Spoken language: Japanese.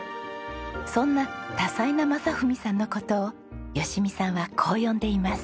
そんな多才な正文さんの事を吉美さんはこう呼んでいます。